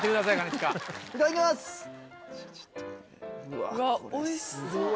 うわおいしそう。